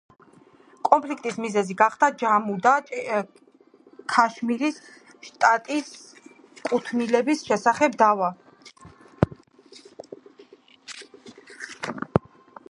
კონფლიქტის მიზეზი გახდა ჯამუ და ქაშმირის შტატის კუთვნილების შესახებ დავა.